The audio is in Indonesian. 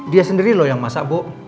dia sendiri loh yang masak bu